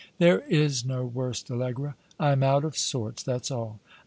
"^There is no worst, Allegra. I am out of sorts, that's all.